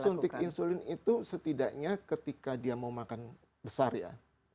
suntik insulin itu setidaknya ketika dia mau makan besar ya